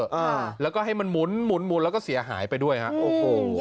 ของรายเด้อแล้วก็ให้มันหมุนแล้วก็เสียหายไปด้วยครับ